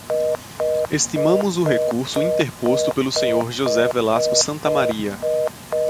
Estimamos o recurso interposto pelo senhor José Velasco Santamaría.